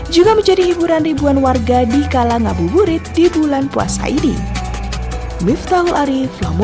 juga menjadi hiburan ribuan warga di kalang ngabuburit di bulan puasa ini